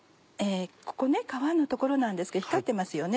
ここ皮の所なんですけど光ってますよね。